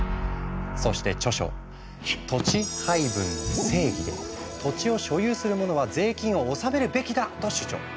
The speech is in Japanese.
そして著書「土地配分の正義」で「土地を所有する者は税金を納めるべきだ」と主張。